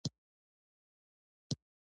روبوټونه د انرژۍ مؤثره کارونه کوي.